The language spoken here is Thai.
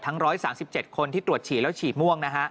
ทั้ง๑๓๗คนที่ตรวจฉี่แล้วฉี่ม่วง